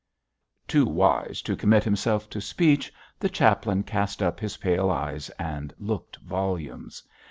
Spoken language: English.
Too wise to commit himself to speech, the chaplain cast up his pale eyes and looked volumes.